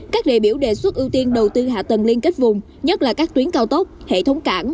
các đại biểu đề xuất ưu tiên đầu tư hạ tầng liên kết vùng nhất là các tuyến cao tốc hệ thống cảng